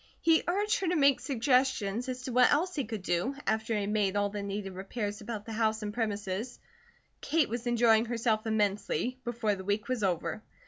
He urged her to make suggestions as to what else he could do, after he had made all the needed repairs about the house and premises. Kate was enjoying herself immensely, before the week was over.